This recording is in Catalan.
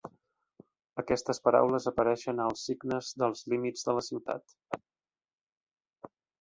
Aquestes paraules apareixen als signes dels límits de la ciutat.